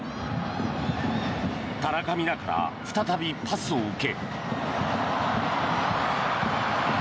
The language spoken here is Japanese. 田中美南から再びパスを受け。